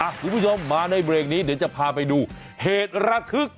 คุณผู้ชมมาในเบรกนี้เดี๋ยวจะพาไปดูเหตุระทึก